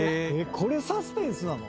これサスペンスなの？